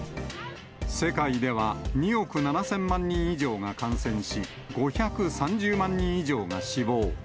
世界では２億７０００万人以上が感染し、５３０万人以上が死亡。